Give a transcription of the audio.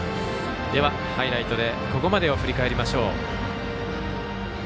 ハイライトでここまでを振り返りましょう。